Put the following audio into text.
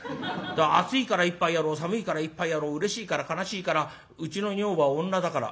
暑いから一杯やろう寒いから一杯やろううれしいから悲しいからうちの女房は女だから。